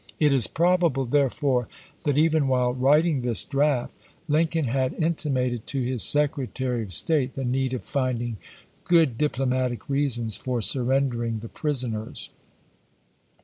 It is probable, there fore, that, even while writing this draft, Lincoln had intimated to his Secretary of State the need of finding good diplomatic reasons for surrendering the prisoners.